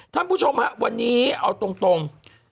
ท่านผู้ชมครับวันนี้เอาตรง